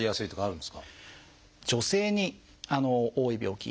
女性に多い病気